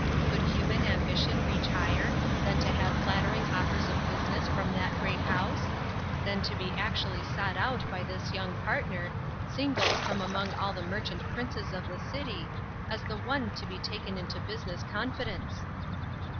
Could human ambition reach higher than to have flattering offers of business from that great House? than to be actually sought out by this young partner, singled from among all the merchant princes of the city, as the one to be taken into business confidence!